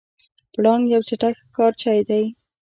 پړانګ یو چټک ښکارچی دی.